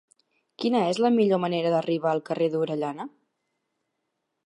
Quina és la millor manera d'arribar al carrer d'Orellana?